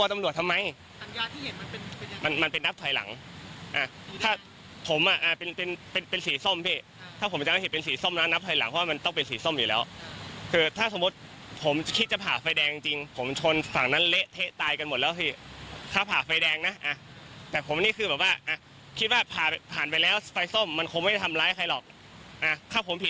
จากนั้นผมก็แบบไม้มันติดมือพี่แล้วเขาลงรถมาแล้วแล้วเขาพยายามเข้าหาผม